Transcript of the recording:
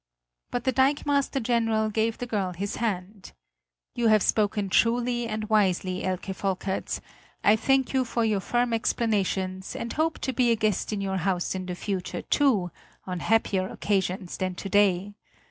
But the dikemaster general gave the girl his hand: "You have spoken truly and wisely, Elke Volkerts; I thank you for your firm explanations and hope to be a guest in your house in the future, too, on happier occasions than today.